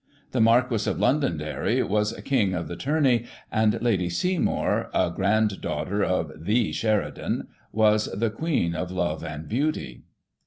The Marquis of Londonderry was King of the Tourney, and Lady Seymour, a grand daughter of ^Ae Sheridan, was the " Queen of Love and Beauty."